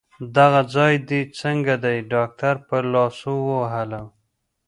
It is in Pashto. دغه ځای دي څنګه دی؟ ډاکټر په لاسو ووهلم.